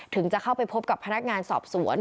ถึงจะเข้าไปพบกับพนักงานสอบสวน